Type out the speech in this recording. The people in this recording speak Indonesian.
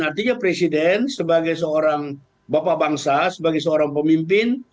artinya presiden sebagai seorang bapak bangsa sebagai seorang pemimpin